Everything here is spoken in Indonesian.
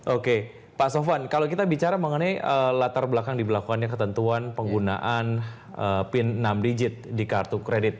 oke pak sofwan kalau kita bicara mengenai latar belakang diberlakukannya ketentuan penggunaan pin enam digit di kartu kredit